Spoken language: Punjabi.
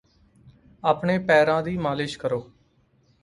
ਆਪਣੇ ਪੈਰਾਂ ਦੀ ਮਾਲਿਸ਼ ਕਰੋ